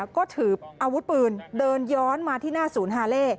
ก็ถืออาวุธปืนเดินย้อนมาที่หน้าศูนย์ฮาเล่